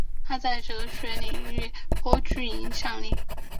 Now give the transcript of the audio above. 他在科学哲学领域颇具影响力。